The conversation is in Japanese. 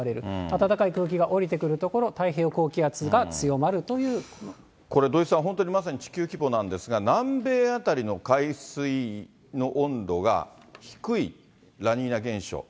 暖かい空気が下りてくるところ、これ、土井さん、まさに地球規模なんですが、南米辺りの海水の温度が低い、ラニーニャ現象。